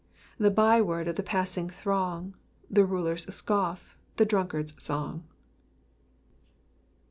*♦ The by word of the passlne throng. The raler*8 scoff, the druukard's song."